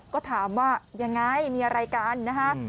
ก็ถามว่ายังไงมีอะไรกันนะคะ